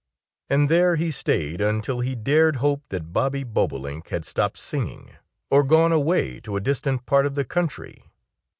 And there he stayed until he dared hope that Bobby Bobolink had stopped singing, or gone away to a distant part of the country.